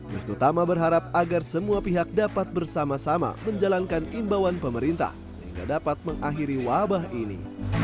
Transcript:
wisnu tama berharap agar semua pihak dapat bersama sama menjalankan imbauan pemerintah sehingga dapat mengakhiri wabah ini